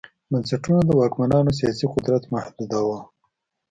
بنسټونه د واکمنانو سیاسي قدرت محدوداوه